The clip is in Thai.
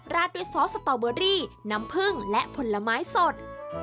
ด้วยซอสสตอเบอรี่น้ำผึ้งและผลไม้สด